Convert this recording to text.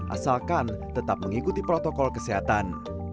asalkan tetap mengikuti protokol kesehatan